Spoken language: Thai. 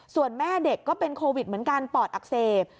ส่วนแม่เด็กก็เป็นโควิดเหมือนกันปอดอักเสบ